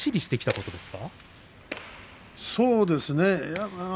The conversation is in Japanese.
そうですね。